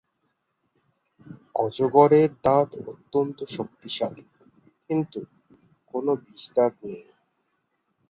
অজগরের দাঁত অত্যন্ত শক্তিশালী, কিন্তু কোনো বিষদাঁত নেই।